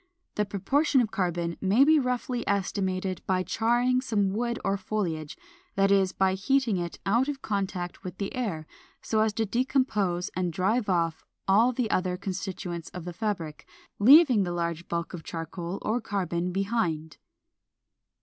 The proportion of carbon may be roughly estimated by charring some wood or foliage; that is, by heating it out of contact with the air, so as to decompose and drive off all the other constituents of the fabric, leaving the large bulk of charcoal or carbon behind.